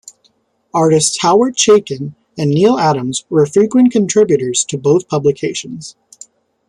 Artists Howard Chaykin and Neal Adams were frequent contributors to both publications.